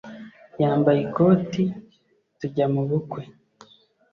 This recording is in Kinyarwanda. yambaye ikote tujya mu bukwe